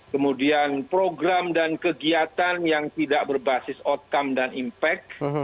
kemudian program dan kegiatan yang tidak berbasis outcome dan impact